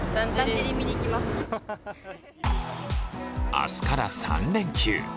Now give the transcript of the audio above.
明日から３連休。